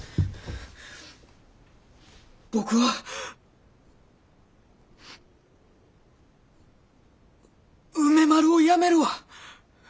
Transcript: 僕は梅丸をやめるわ。